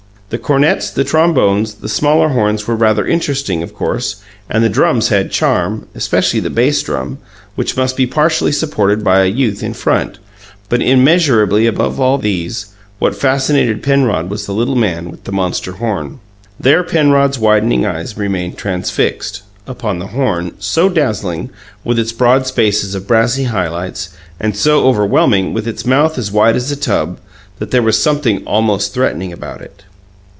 The cornets, the trombones, the smaller horns were rather interesting, of course; and the drums had charm, especially the bass drum, which must be partially supported by a youth in front; but, immeasurably above all these, what fascinated Penrod was the little man with the monster horn. There Penrod's widening eyes remained transfixed upon the horn, so dazzling, with its broad spaces of brassy highlights, and so overwhelming, with its mouth as wide as a tub; that there was something almost threatening about it.